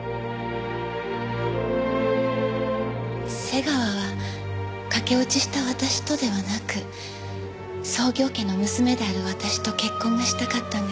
瀬川は駆け落ちした私とではなく創業家の娘である私と結婚がしたかったんです。